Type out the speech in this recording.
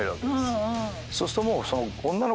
そうするともう。